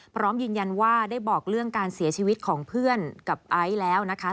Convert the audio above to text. พร้อมยืนยันว่าได้บอกเรื่องการเสียชีวิตของเพื่อนกับไอซ์แล้วนะคะ